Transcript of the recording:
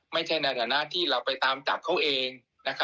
ไม่ใช่ในหน้าที่เราไปตามจับเขาเอง